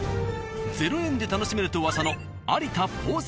０円で楽しめると噂の。